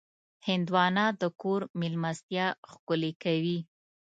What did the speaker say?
هندوانه د کور مېلمستیا ښکلې کوي.